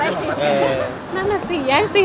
รูปเรานักว่ารูปเจ้าของปาร์ตี้